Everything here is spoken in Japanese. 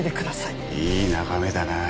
いい眺めだな。